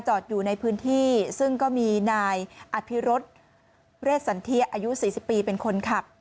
อยู่ในพื้นที่ซึ่งก็มีนายอภิรสเรศสันเทียอายุ๔๐ปีเป็นคนขับ